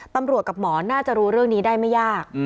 ตำรวจกับหมอน่าจะรู้เรื่องนี้ได้ไม่ยาก